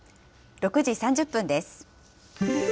６時３０分です。